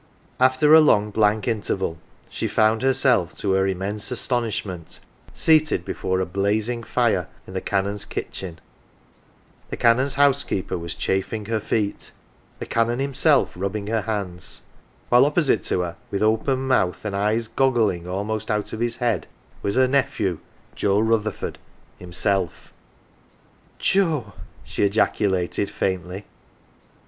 After a long blank interval she found herself, to her immense astonishment, seated before a blazing fire in the Canon's kitchen ; the Canon's housekeeper was chafing her feet, the Canon himself rubbing her hands ; while opposite to her, with open mouth, and eyes goggling almost out of his head, was her nephew, Joe Rutherford, himself. 166 AUNT JINNY " Joe !" she ejaculated faintly.